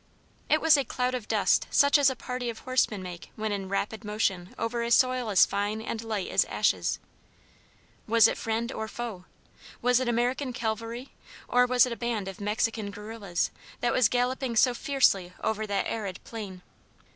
It was a cloud of dust such as a party of horsemen make when in rapid motion over a soil as fine and light as ashes. Was it friend or foe? Was it American cavalry or was it a band of Mexican guerrillas that was galloping so fiercely over that arid plain?